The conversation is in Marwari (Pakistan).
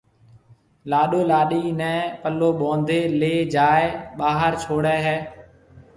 لاڏو لاڏِي نيَ پلو ٻونڌيَ ليَ جائيَ ٻاھر ڇوڙھيََََ ھيََََ